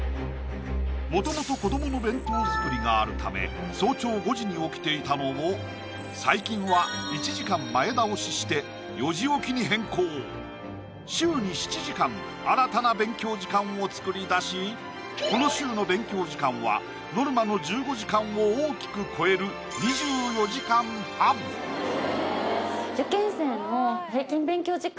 もともと子どもの弁当作りがあるため早朝５時に起きていたのを最近は１時間前倒しして４時起きに変更週に７時間新たな勉強時間を作り出しこの週の勉強時間はノルマの１５時間を大きく超える２４時間半はい